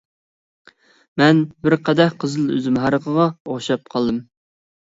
مەن بىر قەدەھ قىزىل ئۈزۈم ھارىقىغا ئوخشاپ قالدىم.